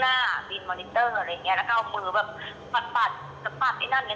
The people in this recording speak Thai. และตอนนี้ก็เปิดตั้งแต่เปิดหัวเลยเปิดโรงล่ะ